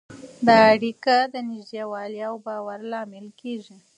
دا اړیکه د نږدېوالي او باور لامل کېږي.